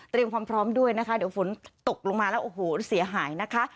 ความพร้อมด้วยนะคะเดี๋ยวฝนตกลงมาแล้วโอ้โหเสียหายนะคะ